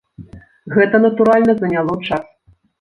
Гэта, натуральна, заняло час.